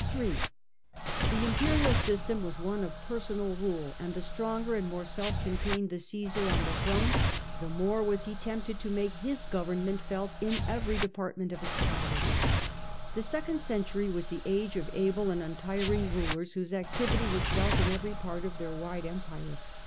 (3) The imperial system was one of personal rule, and the stronger and more self contained the Caesai on the throne, the more was he tempted to ,.^, 11 J (3) and the make his government felt m every depart Caesar on ment of his power. The second century was the age of able and untiring rulers, whose activity was felt in every part of their wide empire.